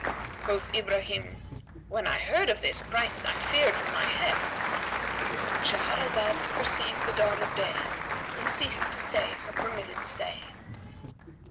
(Quoth Ibrahim) "When I heard of this price I feared for my head"—And Shahrazad perceived the dawn of day and ceased to say her permitted say.